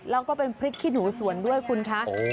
แล้วก็เป็นพริกขี้หนูสวนด้วยคุณคะ